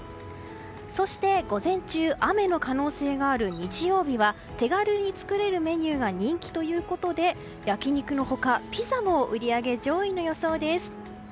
そして午前中、雨の可能性がある日曜日は手軽に作れるメニューが人気ということで、焼き肉の他ピザも売り上げ上位の予想です。